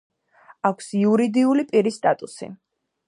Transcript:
აქვს იურიდული პირის სტატუსი.